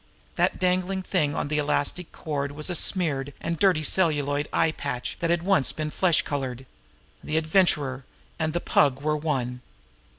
That dangling thing on an elastic cord was a smeared and dirty celluloid eye patch that had once been flesh colored! The Adventurer and the Pug were one!